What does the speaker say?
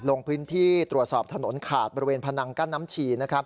ลงพื้นที่ตรวจสอบถนนขาดบริเวณพนังกั้นน้ำชีนะครับ